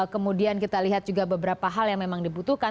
kemudian kita lihat juga beberapa hal yang memang dibutuhkan